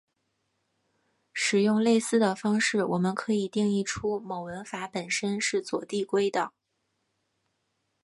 使用类似的方式我们可以定义出某文法本身是左递归的。